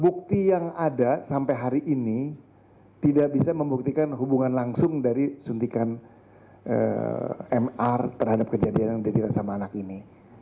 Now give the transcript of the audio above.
bukti yang ada sampai hari ini tidak bisa membuktikan hubungan langsung dari suntikan mr terhadap kejadian yang didirikan sama anak ini